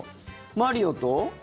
マリオと。